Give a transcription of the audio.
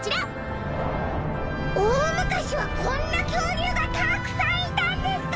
おおむかしはこんなきょうりゅうがたくさんいたんですか！